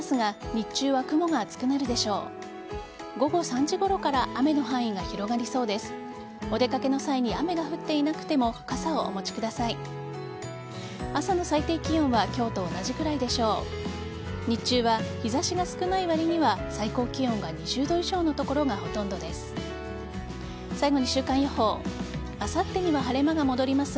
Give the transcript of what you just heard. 日中は日差しが少ないわりには最高気温が２０度以上の所がほとんどです。